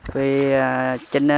vì chúng tôi